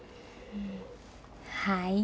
はい。